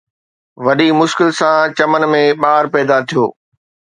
وڏي مشڪل سان چمن ۾ ٻار پيدا ٿيو.